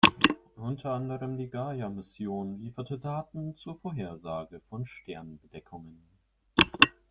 Unter anderem die Gaia-Mission lieferte Daten zur Vorhersage von Sternbedeckungen.